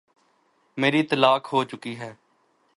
میری طلاق ہو چکی ہے۔